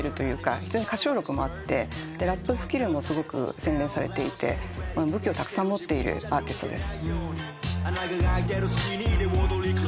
非常に歌唱力もあってラップスキルもすごく洗練されていて武器をたくさん持っているアーティストです。